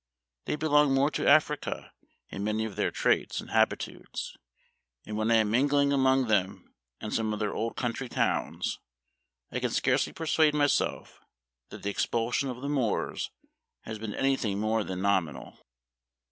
They belong more to Africa in many of their traits Memoir of Washington Irving. 1 7 1 and habitudes ; and when I am mingling among them in some of their old country towns, I can scarcely persuade myself that the expulsion of the Moors has been any thing more than nominal."